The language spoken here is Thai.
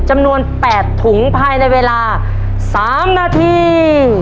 จำนวนเป็ดถุงภายในเวลาสามนาที